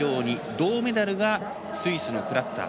銅メダルがスイスのクラッター。